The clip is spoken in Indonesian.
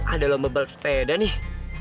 ada lombal sepeda nih